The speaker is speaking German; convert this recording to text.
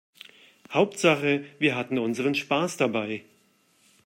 Hauptsache wir hatten unseren Spaß dabei.